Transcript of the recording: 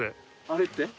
あれって？